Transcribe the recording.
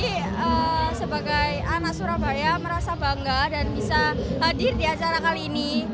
saya sebagai anak surabaya merasa bangga dan bisa hadir di acara kali ini